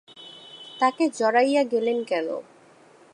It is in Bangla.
তাকে জড়াইয়া গেলেন কেন?